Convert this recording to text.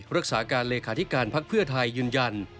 รักษาการเลขาธิการภักดิ์เพื่อไทยยืนยัน